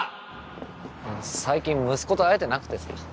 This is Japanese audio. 最近息子と会えてなくてさ。